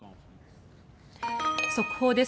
速報です。